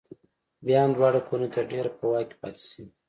بیا هم دواړه کورنۍ تر ډېره په واک کې پاتې شوې.